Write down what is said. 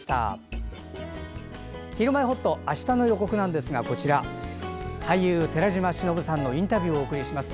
「ひるまえほっと」あしたの予告なんですが俳優・寺島しのぶさんのインタビューをお送りします。